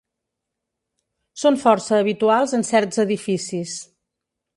Són força habituals en certs edificis.